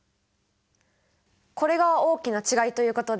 これが大きな違いということですね。